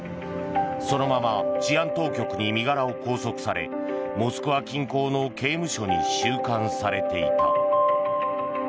そのまま治安当局に身柄を拘束されモスクワ近郊の刑務所に収監されていた。